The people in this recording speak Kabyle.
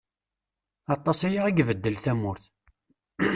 Aṭas aya i ibeddel tamurt.